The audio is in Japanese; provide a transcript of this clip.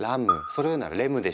それを言うならレムでしょ。